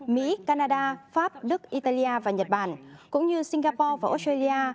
mỹ canada pháp đức italia và nhật bản cũng như singapore và australia